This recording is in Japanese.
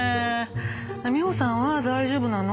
美穂さんは大丈夫なの？